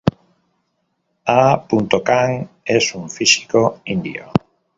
A. Khan, es un físico indio.